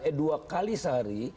eh dua kali sehari